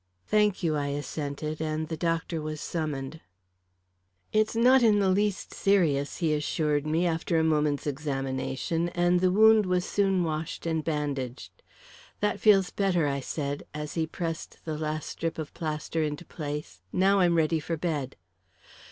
"Thank you," I assented, and the doctor was summoned. "It's not in the least serious," he assured me, after a moment's examination, and the wound was soon washed and bandaged. "That feels better," I said, as he pressed the last strip of plaster into place. "Now I'm ready for bed."